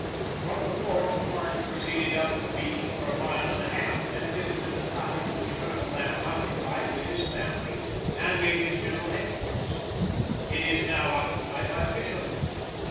From the fort the party proceeded up the beach for a mile and a half, and visited the cottage which Colonel Lamb occupied with his family and made his general headquarters. It is now occupied by a fisherman.